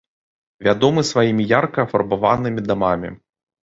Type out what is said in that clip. Вядомы сваімі ярка афарбаванымі дамамі.